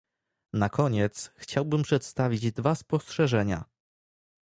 Na koniec chciałbym przedstawić dwa spostrzeżenia